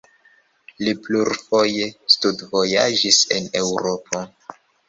Li plurfoje studvojaĝis en Eŭropo.